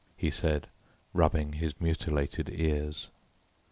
he said, rubbing his mutilated ears.